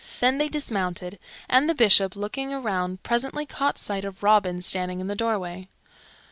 Then they dismounted, and the Bishop, looking around, presently caught sight of Robin standing in the doorway.